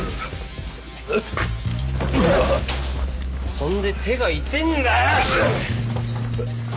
そんで手が痛えんだよ！